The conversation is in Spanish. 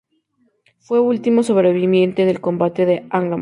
Fue último sobreviviente del combate de Angamos.